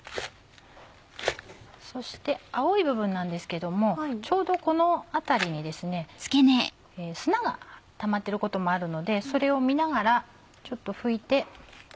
そして青い部分なんですけどもちょうどこの辺りに砂がたまってることもあるのでそれを見ながらちょっと拭いて。